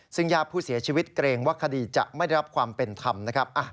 ซึ่งญาติผู้เสียชีวิตเกรงว่าคดีจะไม่ได้รับความเป็นธรรมนะครับ